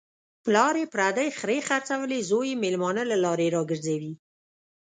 پلار یې پردۍ خرې خرڅولې، زوی یې مېلمانه له لارې را گرځوي.